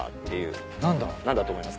何だ？